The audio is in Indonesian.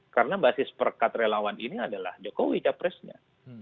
karena basis perkat relawan ini adalah jokowi capresnya